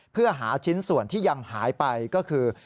เพื่อหาชิ้นส่วนที่ยังหายไปก็คือ